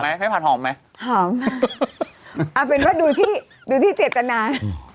เอาเป็นว่าดูที่๗กับน้าน